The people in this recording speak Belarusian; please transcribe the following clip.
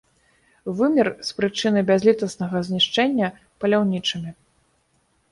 Вымер з прычыны бязлітаснага знішчэння паляўнічымі.